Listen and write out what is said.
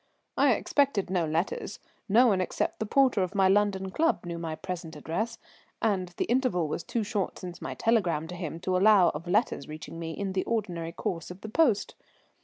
I expected no letters, no one except the porter of my London club knew my present address, and the interval was too short since my telegram to him to allow of letters reaching me in the ordinary course of the post.